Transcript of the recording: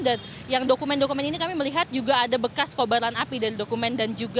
dan yang dokumen dokumen ini kami melihat juga ada bekas kobaran api dari dokumen